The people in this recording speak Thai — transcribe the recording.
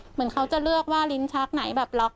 เหมือนเขาจะเลือกว่าลิ้นชักไหนแบบล็อก